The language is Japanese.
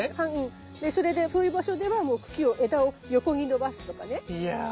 それでそういう場所ではもう茎を枝を横に伸ばすとかね。